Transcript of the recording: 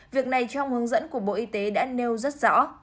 việc này trong hướng dẫn của bộ y tế đã nêu rất rõ